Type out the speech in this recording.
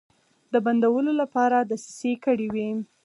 د بندولو لپاره دسیسې کړې وې.